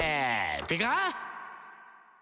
「ってか！」